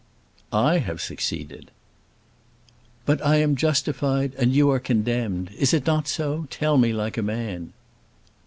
"I have succeeded." "But I am justified, and you are condemned. Is it not so? Tell me like a man."